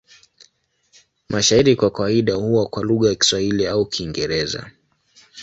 Mashairi kwa kawaida huwa kwa lugha ya Kiswahili au Kiingereza.